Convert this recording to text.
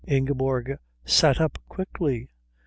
Ingeborg sat up quickly.